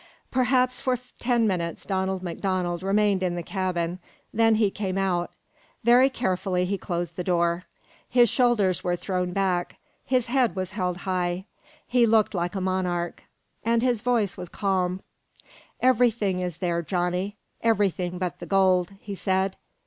Perhaps for ten minutes Donald MacDonald remained in the cabin. Then he came out. Very carefully he closed the door. His shoulders were thrown back. His head was held high. He looked like a monarch. And his voice was calm. "Everything is there, Johnny everything but the gold," he said.